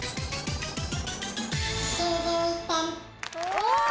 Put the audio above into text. お！